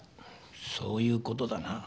そういう事だな。